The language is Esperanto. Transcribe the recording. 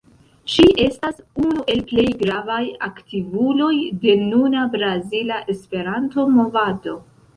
Ŝi estas unu el plej gravaj aktivuloj de nuna brazila Esperanto-Movado.